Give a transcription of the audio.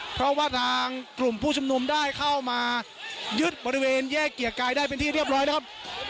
เพราะว่าทางกลุ่มผู้ชุมนุมได้เข้ามายึดบริเวณแยกเกียรติกายได้เป็นที่เรียบร้อยแล้วครับ